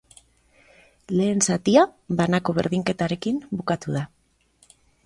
Lehen zatia, banako berdinketarekin bukatu da.